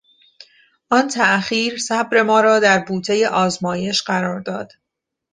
آن تاخیر صبر ما را در بوتهی آزمایش قرارداد.